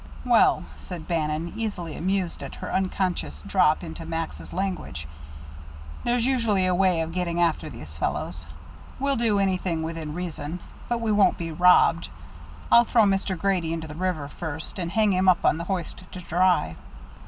"Well," said Bannon, easily, amused at her unconscious drop into Max's language, "there's usually a way of getting after these fellows. We'll do anything within reason, but we won't be robbed. I'll throw Mr. Grady into the river first, and hang him up on the hoist to dry."